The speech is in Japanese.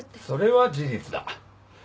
それは事実だ